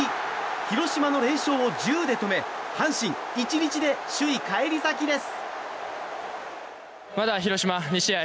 広島の連勝を１０で止め阪神、１日で首位返り咲きです。